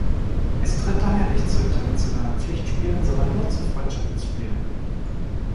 Es tritt daher nicht zu internationalen Pflichtspielen, sondern nur zu Freundschaftsspielen an.